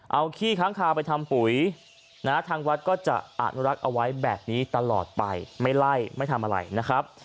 เอาขี้ค้างคาไปทำปุ๋ยนะทางวัดก็จะอนุรักษ์เอาไว้แบบนี้ตลอดไปไม่ไล่ไม่ทำอะไรนะครับ